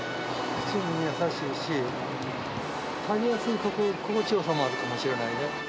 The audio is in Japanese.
口に優しいし、かみやすい心地よさもあるかもしれないね。